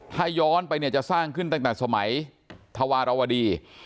ถ้าย้อนไปเนี่ยจะสร้างขึ้นตั้งแต่สมัยธวารวดี